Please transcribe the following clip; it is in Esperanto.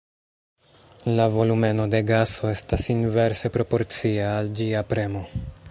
La volumeno de gaso estas inverse proporcia al ĝia premo.